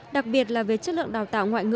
đặc biệt là về chất lượng đào tạo ngoại ngữ